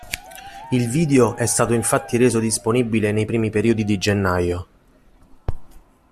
Il video è stato infatti reso disponibile nei primi periodi di gennaio.